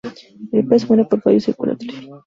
El pez muere por fallo circulatorio.